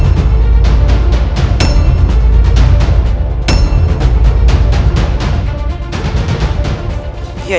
tidak tidak tidak